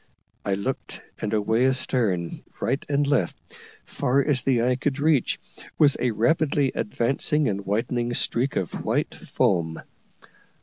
I looked, and away astern, right and left, far as the eye could reach, was a rapidly advancing and widening streak of white foam.